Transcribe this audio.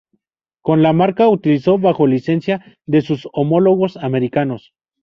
Con la marca utiliza bajo licencia de sus homólogos americanos.